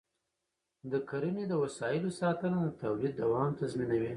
د کرنې د وسایلو ساتنه د تولید دوام تضمینوي.